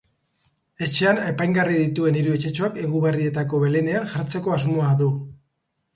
Etxean apaingarri dituen hiru etxetxoak eguberrietako Belenean jartzeko asmoa du.